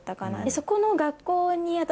そこの学校に私